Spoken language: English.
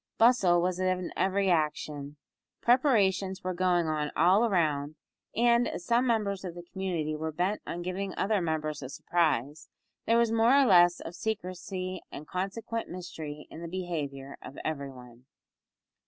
Bustle was in every action. Preparations were going on all round, and, as some members of the community were bent on giving other members a surprise, there was more or less of secrecy and consequent mystery in the behaviour of every one.